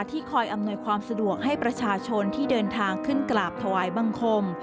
คอยอำนวยความสะดวกให้ประชาชนที่เดินทางขึ้นกราบถวายบังคม